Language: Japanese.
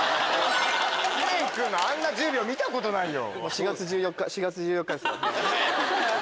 知念君のあんな１０秒見たことないよ。